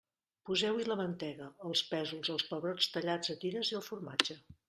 Poseu-hi la mantega, els pèsols, els pebrots tallats a tires i el formatge.